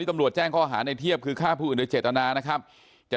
ที่กำลัวแจ้งข้อหาในเทียบคือค่าผู้อื่นในเจตนานะครับจะ